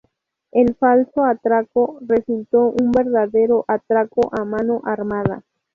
El falso atraco resulta un verdadero atraco a mano armada.